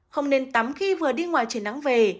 không nên tắm khi vừa đi ngoài trời nắng về